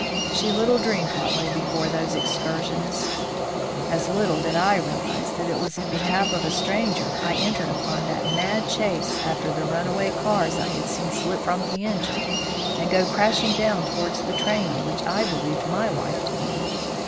She little dreamed what lay before those excursionists. As little did I realise that it was in behalf of a stranger I entered upon that mad chase after the runaway cars I had seen slip from the engine and go crashing down towards the train on which I believed my wife to be.